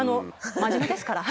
真面目ですから。